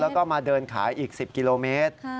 แล้วก็มาเดินขายอีก๑๐กิโลเมตร